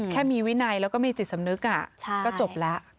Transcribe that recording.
แค่มีวินัยแล้วก็มีจิตสำนึกก็จบแล้ว